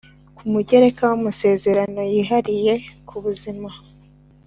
ku mugereka w Amasezerano Yihariye kubuzima